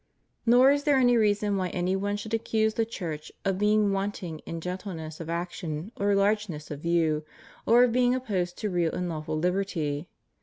Nor is there any reason why any one should accuse the Church of being wanting in gentleness of action or largeness of view, or of being opposed to real and lawful liberty.